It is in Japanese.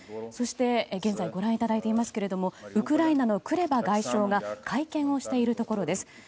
そして、現在ご覧いただいていますがウクライナのクレバ外相が会見をしているところです。